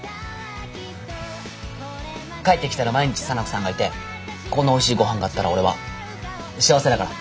帰ってきたら毎日沙名子さんがいてこんなおいしいごはんがあったら俺は幸せだから。